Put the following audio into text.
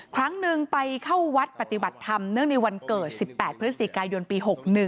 ครั้งหนึ่งไปเข้าวัดปฏิบัติธรรมเนื่องในวันเกิด๑๘พฤศจิกายนปี๖๑